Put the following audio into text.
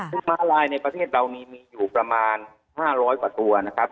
ซึ่งม้าลายในประเทศเรามีอยู่ประมาณ๕๐๐กว่าตัวนะครับ